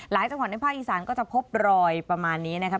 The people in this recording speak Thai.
จังหวัดในภาคอีสานก็จะพบรอยประมาณนี้นะครับ